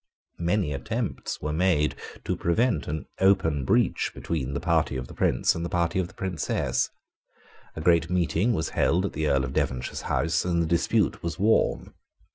Many attempts were made to prevent an open breach between the party of the Prince and the party of the Princess. A great meeting was held at the Earl of Devonshire's House, and the dispute was warm.